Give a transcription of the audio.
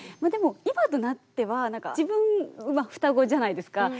でも今となってはなんか自分双子じゃないですか。